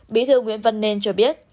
bí thư nguyễn văn nên cho biết